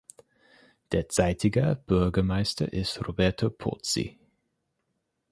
Derzeitiger Bürgermeister ist Roberto Pozzi.